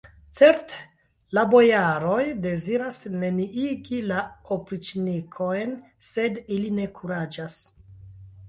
Certe, la bojaroj deziras neniigi la opriĉnikojn, sed ili ne kuraĝas!